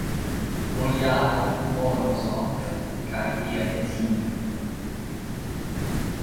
Bojaro Morozov kaj lia edzino.